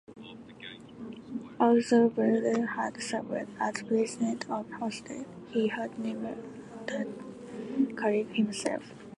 Although Brower had served as president of Hofstra he had never attended college himself.